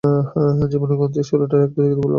জীবনী গ্রন্থের শুরুটা একটু দেখে দিলে ভালো হয়।